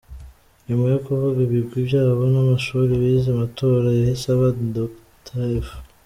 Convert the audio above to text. Nyuma yo kuvuga ibigwi byabo n’amashuri bize, amatora yahise aba, Dr F.